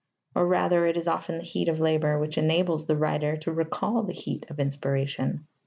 Or rather it is often the heat of labour which enables the writer to recall the heat of inspiration.